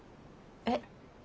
えっ？